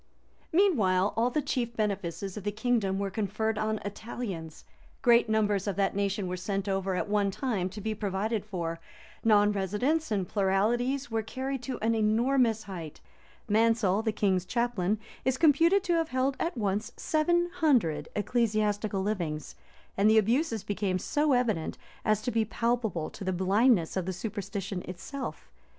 Meanwhile all the chief benefices of the kingdom were conferred on Italians; great numbers of that nation were sent over at one time to be provided for; non residence and pluralities were carried to an enormous height; Mansel, the king's chaplain, is computed to have held at once seven hundred ecclesiastical livings; and the abuses became so evident, as to be palpable to the blindness of superstition itself.